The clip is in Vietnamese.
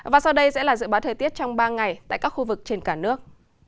và sau đây sẽ là dự báo thời tiết trong ba ngày tại các khu vực trên cả nước